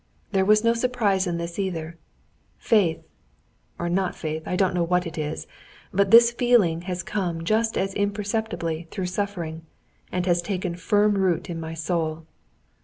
There was no surprise in this either. Faith—or not faith—I don't know what it is—but this feeling has come just as imperceptibly through suffering, and has taken firm root in my soul.